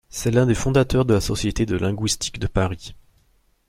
C'est l'un des fondateurs de la Société de linguistique de Paris.